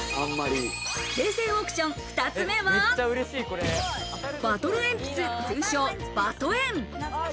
平成オークション二つ目は、バトルえんぴつ、通称バトエン。